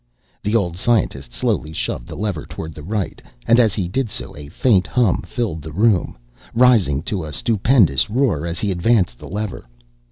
The old scientist slowly shoved the lever toward the right, and as he did so a faint hum filled the room, rising to a stupendous roar as he advanced the lever.